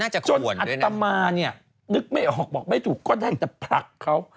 จนอัตมาเนี่ยนึกไม่ออกบอกไม่ถูกก็ได้แต่ผลักเขา